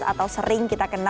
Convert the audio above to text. atau sering kita kenal